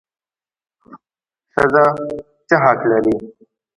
ښځه څه حق لري؟